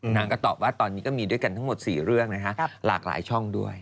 นางก็ตอบว่าตอนนี้ก็มีด้วยกันทั้งหมด๔เรื่องนะคะหลากหลายช่องด้วย